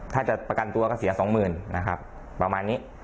ถ้าจะประกันตัวก็เสียสองหมื่นนะครับประมาณนี้